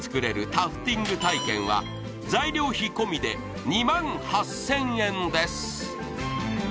タフティング体験は材料費込みで２万８０００円です